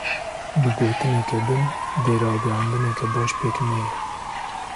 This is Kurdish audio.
Bi gotineke din; dê ragihandineke baş pêk neyê.